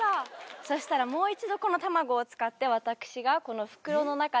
そしたらもう一度この卵を使って私がこの袋の中で握ります。